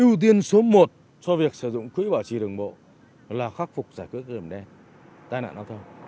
ưu tiên số một cho việc sử dụng quỹ bảo trì đường bộ là khắc phục giải quyết điểm đen tai nạn giao thông